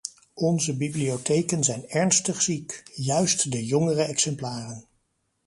Onze bibliotheken zijn ernstig ziek, juist de jongere exemplaren.